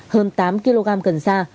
hơn tám kg cần sa